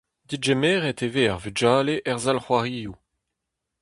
Degemeret e vez ar vugale er sal c'hoarioù.